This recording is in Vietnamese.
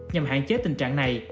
nhằm hạn chế tình trạng này